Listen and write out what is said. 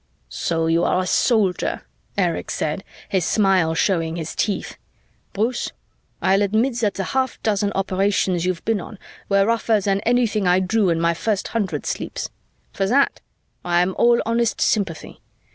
"So you're a Soldier," Erich said, his smile showing his teeth. "Bruce, I'll admit that the half dozen operations you've been on were rougher than anything I drew in my first hundred sleeps. For that, I am all honest sympathy.